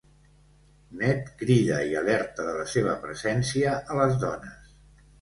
Ned crida i alerta de la seva presència a les dones.